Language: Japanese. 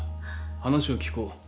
話を聞こう。